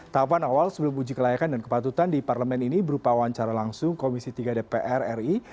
tahapan awal sebelum uji kelayakan dan kepatutan di parlemen ini berupa wawancara langsung komisi tiga dpr ri